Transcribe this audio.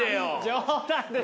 冗談ですよ。